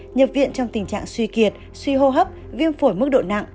nhập viện trong tình trạng suy kiệt suy hô hấp viêm phổi mức độ nặng